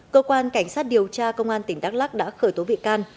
cơ quan cảnh sát điều tra công an tỉnh đắk lắc đã khởi tố bị can